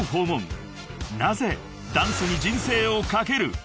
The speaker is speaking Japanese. ［なぜダンスに人生を懸ける］